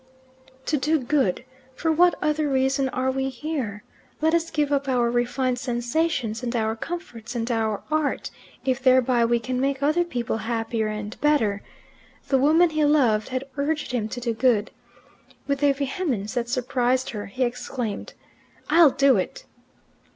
To do good! For what other reason are we here? Let us give up our refined sensations, and our comforts, and our art, if thereby we can make other people happier and better. The woman he loved had urged him to do good! With a vehemence that surprised her, he exclaimed, "I'll do it."